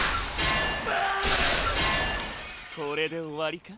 これで終わりか？